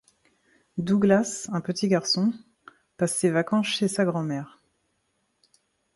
Douglas, un petit garçon, passe des vacances chez sa grand-mère.